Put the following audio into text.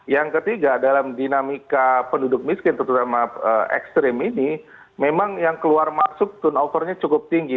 yang ketiga dalam dinamika penduduk miskin terutama ekstrim ini memang yang keluar masuk turnovernya cukup tinggi